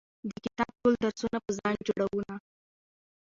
د کتاب ټول درسونه په ځان جوړونه